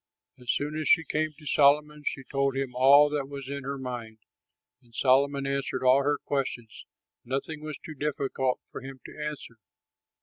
As soon as she came to Solomon, she told him all that was in her mind. And Solomon answered all her questions: nothing was too difficult for him to answer.